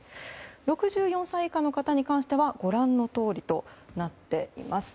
６４歳以下の方に関してはご覧のとおりです。